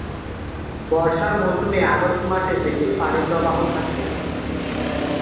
বর্ষার মৌসুমে আগস্ট মাসে বেশি পানিপ্রবাহ থাকে।